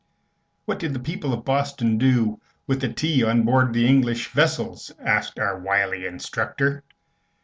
"What did the people of Boston do with the tea on board the English vessels?" asked our wily instructor.